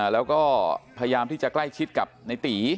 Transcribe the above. แล้วก็พยายามที่จะใกล้ชิดกับในตี